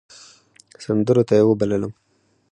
سندرو ته يې وبللم .